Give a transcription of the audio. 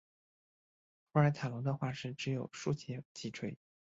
普尔塔龙的化石只有数节脊椎。